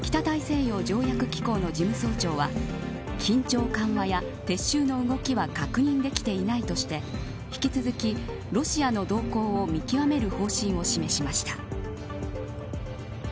これに対してＮＡＴＯ北大西洋条約機構の事務総長は緊張緩和や撤収の動きは確認できていないとして引き続きロシアの動向を見極める方針を示しました。